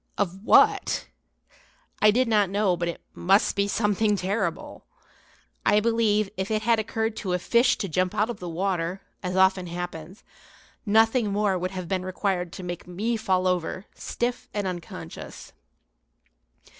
Of what? I did not know, but it must be something terrible. I believe if it had occurred to a fish to jump out of the water, as often happens, nothing more would have been required to make me fall over, stiff and unconscious.